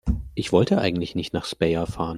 Ich wollte eigentlich nicht nach Speyer fahren